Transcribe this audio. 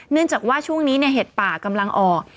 เนื่องจากว่าช่วงนี้เห็ดป่ากำลังออก